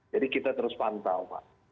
kita terus pantau pak